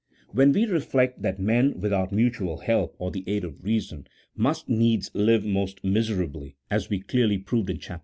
When we reflect that men without mutual help, or the aid of reason, must needs live most miserably, as we clearly proved in Chap.